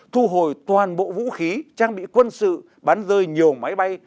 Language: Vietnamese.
thu hồi toàn bộ vũ khí trang bị quân sự bắn rơi nhiều máy bay